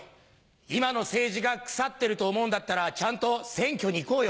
今の政治が腐ってると思うんだったらちゃんと選挙に行こうよ。